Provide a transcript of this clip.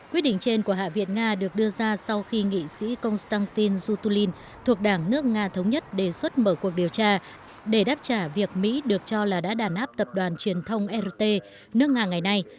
quyết định trên của hạ viện nga được đưa ra sau khi nghị sĩ konstantin zutulin thuộc đảng nước nga thống nhất đề xuất mở cuộc điều tra để đáp trả việc mỹ được cho là đã đàn áp tập đoàn truyền thông rt nước nga ngày nay